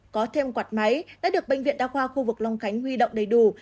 có thêm quạt máy đã được bệnh viện đa khoa khu vực long khánh huy động đầy đủ